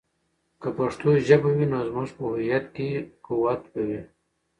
که پښتو ژبه وي، نو زموږ په هویت کې قوت به وي.